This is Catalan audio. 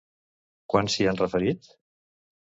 Quan s'hi ha referit?